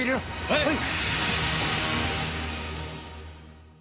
はい！